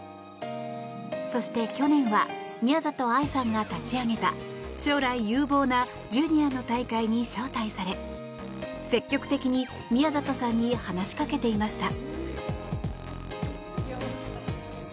そして、去年は宮里藍さんが立ち上げた将来有望なジュニアの大会に招待され積極的に宮里さんに話しかけていました。